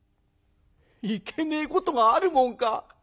「いけねえことがあるもんか。